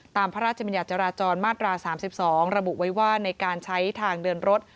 ตามพระราชบัญญัติจราจรมาตรา๓๒ระบุไว้ว่าในการใช้ทางเดินรถ